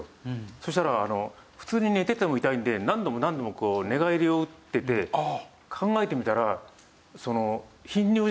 そしたら普通に寝てても痛いんで何度も何度もこう寝返りを打ってて考えてみたら。